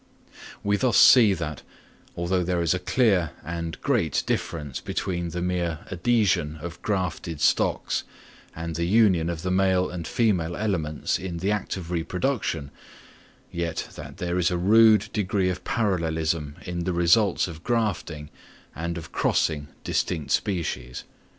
We thus see that, although there is a clear and great difference between the mere adhesion of grafted stocks and the union of the male and female elements in the act of reproduction, yet that there is a rude degree of parallelism in the results of grafting and of crossing distinct species.